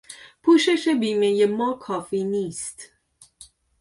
پوشش بیمهی ما کافی نیست.